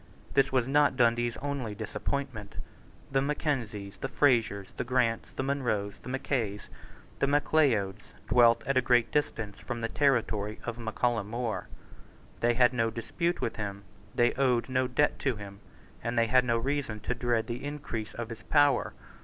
This was not Dundee's only disappointment. The Mackenzies, the Frasers, the Grants, the Munros, the Mackays, the Macleods, dwelt at a great distance from the territory of Mac Callum More. They had no dispute with him; they owed no debt to him: and they had no reason to dread the increase of his power.